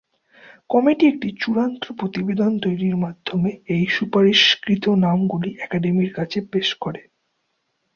Committee একটি চূড়ান্ত প্রতিবেদন তৈরির মাধ্যমে এই সুপারিশকৃত নামগুলো একাডেমির কাছে পেশ করে।